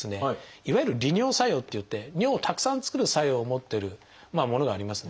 いわゆる利尿作用っていって尿をたくさん作る作用を持ってるものがありますね。